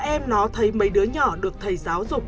em nó thấy mấy đứa nhỏ được thầy giáo dục